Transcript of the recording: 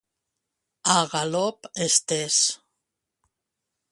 A galop estès.